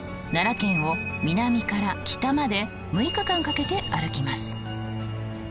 奈良県を南から北まで６日間かけて歩きます。